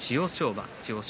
馬千代翔